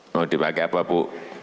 mau dipakai apa bu